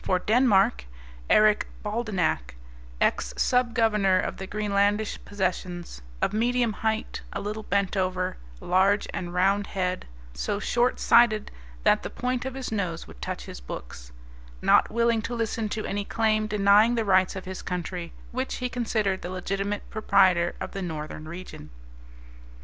For Denmark Eric Baldenak, ex Sub Governor of the Greenlandish possessions; of medium height, a little bent over, large and round head, so short sighted that the point of his nose would touch his books; not willing to listen to any claim denying the rights of his country, which he considered the legitimate proprietor of the northern region.